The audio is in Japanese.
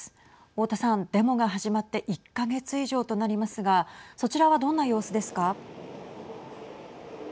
太田さん、デモが始まって１か月以上となりますがそちらは、どんな様子ですか。